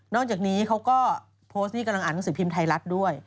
อกจากนี้เขาก็โพสต์ที่กำลังอ่านหนังสือพิมพ์ไทยรัฐด้วย